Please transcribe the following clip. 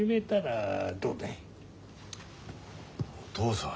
お父さん。